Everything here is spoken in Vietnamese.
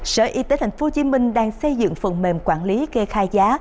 sở y tế tp hcm đang xây dựng phần mềm quản lý kê khai giá